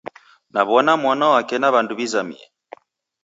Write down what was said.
Nawona mwana wake na wandu wizamie